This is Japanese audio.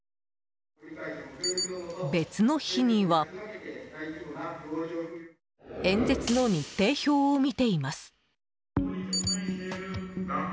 別の日には演説の日程表を見ています。